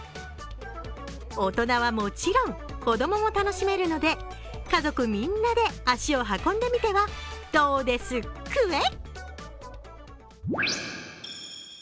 大人はもちろん、子供も楽しめるので家族みんなで足を運んでみてはどうですクエッ！